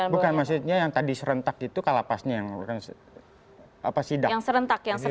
bukan maksudnya yang tadi serentak itu kalapasnya yang sedang